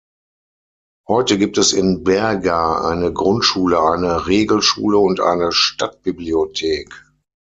Heute gibt es in Berga eine Grundschule, eine Regelschule und eine Stadtbibliothek.